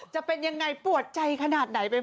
จะเป็นอย่างไรปวดใจขนาดไหน